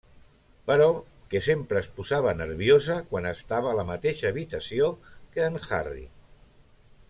Però que sempre es posava nerviosa quan estava a la mateixa habitació que en Harry.